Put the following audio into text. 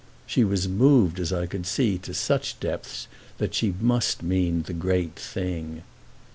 She was moved, as I could see, to such depths that she must mean the great thing.